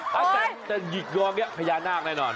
แต่หงิกงอพญานาคแน่นอน